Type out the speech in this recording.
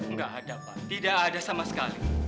nggak ada pak tidak ada sama sekali